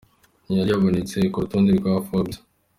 Ntiyari yabonetse ku rutonde rwa Forbes.